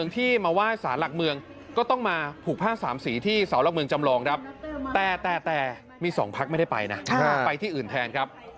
แต่มี๒พรรคไม่ได้ไปนะไปที่อื่นแทนครับ